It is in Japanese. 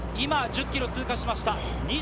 今、１０ｋｍを通過しました。